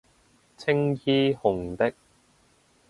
青衣紅的